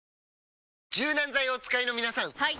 柔軟剤をお使いの皆さんはい！